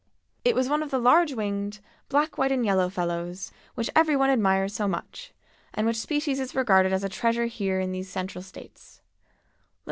It was one of the large winged, black white and yellow fellows which every one admires so much, and which species is regarded as a treasure here in these Central States.